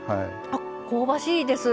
あっ香ばしいです。